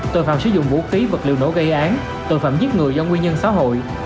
tội phạm sử dụng vũ khí vật liệu nổ gây án tội phạm giết người do nguyên nhân xã hội